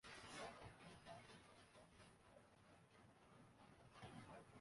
کہ مطلب غلط نہ سمجھا جائے۔